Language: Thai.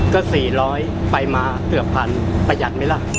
ก็๔๐๐ไปมาเกือบพันประหยัดไหมล่ะ